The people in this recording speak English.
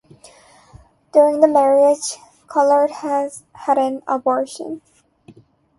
During the marriage, Callard had an abortion.